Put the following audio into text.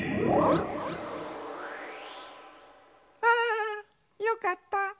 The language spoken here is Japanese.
あよかった。